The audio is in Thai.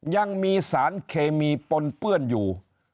ยังมีสารเคมีปนเปื้อนอยู่